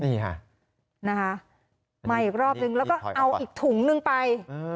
นี่ค่ะนะคะมาอีกรอบนึงแล้วก็เอาอีกถุงนึงไป